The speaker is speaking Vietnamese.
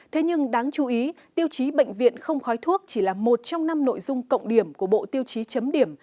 thế nhưng đáng chú ý tiêu chí bệnh viện không khói thuốc chỉ là một trong năm nội dung cộng điểm của bộ tiêu chí chấm điểm